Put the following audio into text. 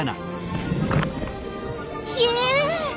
ひえ！